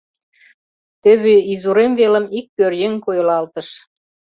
Тӧвӧ изурем велым ик пӧръеҥ койылалтыш.